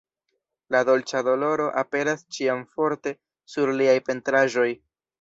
La "dolĉa doloro" aperas ĉiam forte sur liaj pentraĵoj.